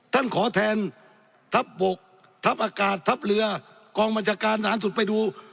ท่านขอแทนทัพบกทัพอากาศทัพเรือกองบัญชาการฐานสุดไปดู